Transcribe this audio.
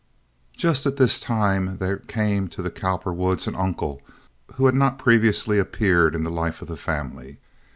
Just at this time there came to the Cowperwoods an uncle who had not previously appeared in the life of the family.